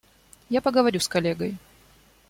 Я поговорю с коллегой.